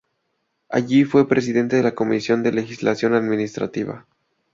Allí fue presidente de la Comisión de Legislación Administrativa.